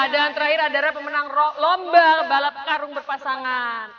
dan terakhir adalah pemenang lomba balap karung berpasangan